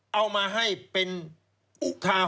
เอามาให้เป็นอุทาห